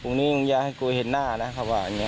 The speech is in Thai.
นิ่งอย่าให้กูเห็นหน้านะเขาว่าอย่างนี้